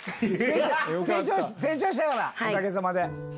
成長したからおかげさまで。